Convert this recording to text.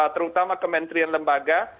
terutama kementerian lembaga